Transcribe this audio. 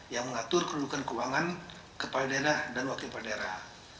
yang mengatur kerudukan keuangan kepala daerah dan wakil kepala daerah